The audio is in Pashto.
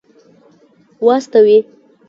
واستوي.